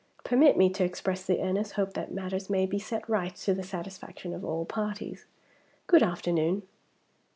Permit me to express the earnest hope that matters may be set right to the satisfaction of all parties. Good afternoon!"